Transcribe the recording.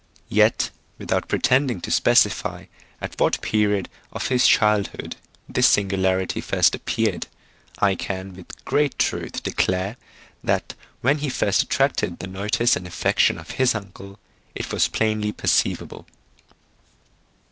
Yet without pretending to specify at what period of his childhood this singularity first appeared, I can with great truth declare, that when he first attracted the notice and affection of his uncle, it was plainly perceivable.